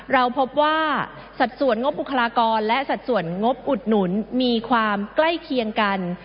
เราพบว่าสัดส่วนงบบุคลากรและสัดส่วนงบอุดหนุนมีความใกล้เคียงกัน